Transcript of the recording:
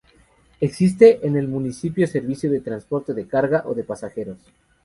Existe en el municipio servicio de transporte de carga o de pasajeros.